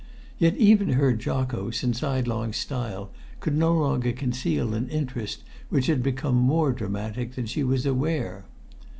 Yet even her jocose and sidelong style could no longer conceal an interest which had become more dramatic than she was aware.